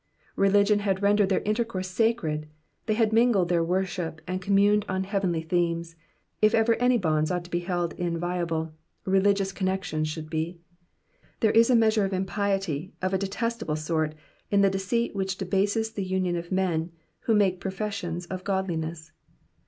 '*'* Religion had rendered their intercourse sacred, they had mingled their worship, and communed on heavenly themes. If ever any bonds ought to be held inviolable, religious connections should be. There is a measure of impiety, of a detestable sort, in the deceit which debases the union of men who make professions of godliness.